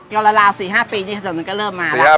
ก็ราว๔๕ปีนี่ถนนมันก็เริ่มมาแล้ว